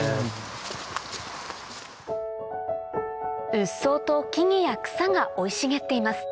うっそうと木々や草が生い茂っています